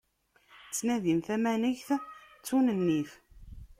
Ttnadin tamanegt, ttun nnif.